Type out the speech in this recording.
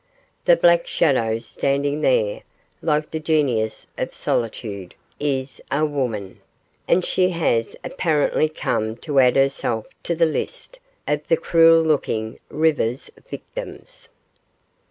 The black shadow standing there, like the genius of solitude, is a woman, and she has apparently come to add herself to the list of the cruel looking river's victims.